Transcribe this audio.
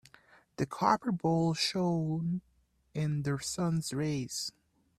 The copper bowl shone in the sun's rays.